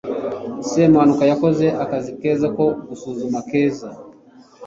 semuhanuka yakoze akazi keza ko gusuzuma keza